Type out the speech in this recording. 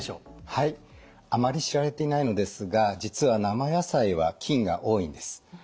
はいあまり知られていないのですが実は生野菜は菌が多いんです。